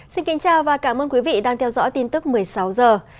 xin kính chào và cảm ơn quý vị đang theo dõi tin tức một mươi sáu h